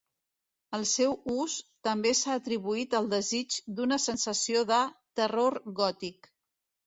El seu ús també s'ha atribuït al desig d'una sensació de "terror gòtic".